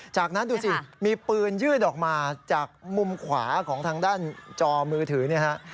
จากนั้นดูสิมีปืนยืดออกมาจากมุมขวาของทางด้านจอมือถือเนี่ยฮะ